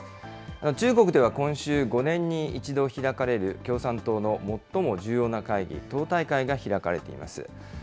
中国では今週、５年に１度開かれる共産党の最も重要な会議、党大会が開かれています。